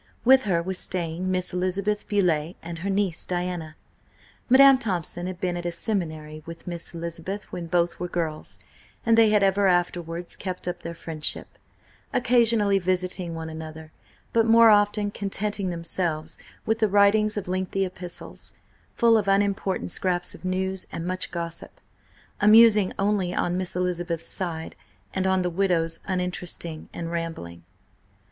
With her was staying Miss Elizabeth Beauleigh and her niece, Diana. Madam Thompson had been at a seminary with Miss Elizabeth when both were girls, and they had ever afterwards kept up their friendship, occasionally visiting one another, but more often contenting themselves with the writing of lengthy epistles, full of unimportant scraps of news and much gossip, amusing only on Miss Elizabeth's side, and on the widow's uninteresting and rambling.